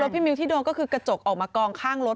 พี่มิ้วที่โดนก็คือกระจกออกมากองข้างรถ